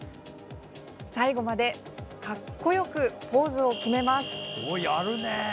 最後まで格好よくポーズを決めます。